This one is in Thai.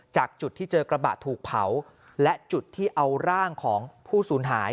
จากจุดที่เจอกระบะถูกเผาและจุดที่เอาร่างของผู้สูญหาย